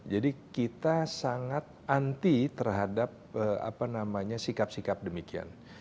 jadi kita sangat anti terhadap sikap sikap demikian